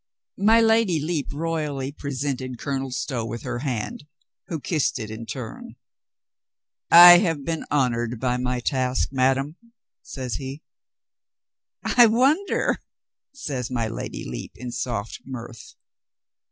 My Lady Lepe royally presented Colonel Stow with her hand, who kissed it in turn. "I have been honored by my task, madame," says he. "I wonder," says my Lady Lepe in soft mirth.